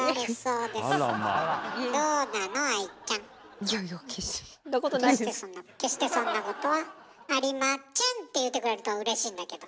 いやいや「決してそんなことはありまちぇん」って言ってくれるとうれしいんだけど。